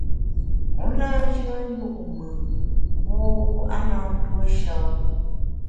U na nyùen yu’ mùn mbu (w) a na ntuo sha.